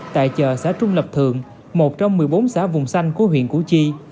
tại chợ xã trung lập thượng một trong một mươi bốn xã vùng xanh của huyện củ chi